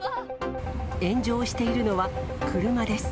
炎上しているのは車です。